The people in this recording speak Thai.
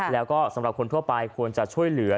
แล้วก็สำหรับคนทั่วไปควรจะช่วยเหลือ